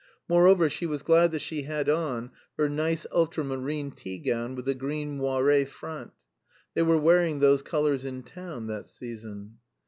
Moreover, she was glad that she had on her nice ultramarine tea gown with the green moirê front. (They were wearing those colors in town that season.)